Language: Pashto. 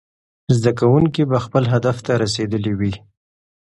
زده کوونکي به خپل هدف ته رسېدلي وي.